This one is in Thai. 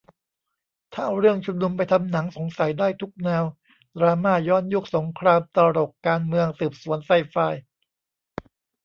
ถ้าเอาเรื่องชุมนุมไปทำหนังสงสัยได้ทุกแนว ดราม่า ย้อนยุค สงคราม ตลก การเมือง สืบสวน ไซไฟ